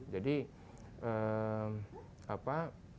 jadi eee apa